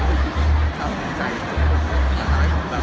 ขอบคุณใจที่จะหาผมออกมาเต็มอย่างนั้น